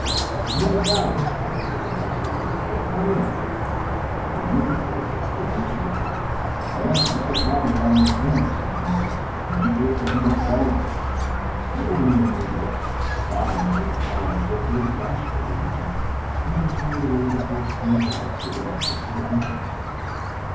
"Jimmy Powers!" called the River Boss after this boy, "Come here!" The youth approached, grinning cheerfully. 134 THE TREASURE CHEST "I want you to take Bobby out on the booms/' commanded Denning, and be careful he don*t fall in/* The older men moved away. Bobby and Jimmy Powers looked a little bashfully at each other, and then turned to where the first hewn logs gave access to the booms.